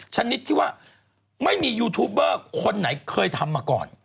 ชนิดที่ว่าไม่มียูทูบเบอร์คนไหนเคยทำมาก่อน